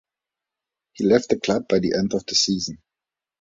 He left the club by the end of the season.